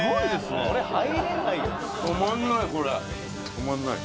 止まらない！